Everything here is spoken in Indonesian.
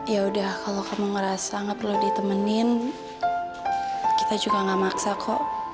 ya udah kalau kamu ngerasa gak perlu ditemenin kita juga gak maksa kok